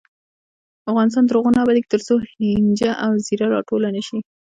افغانستان تر هغو نه ابادیږي، ترڅو هینجه او زیره راټوله نشي.